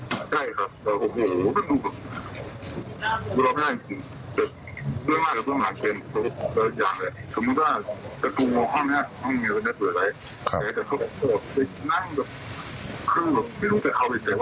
เป็นที่แบบเข้าไปแล้วก็เป็นหัวเนิด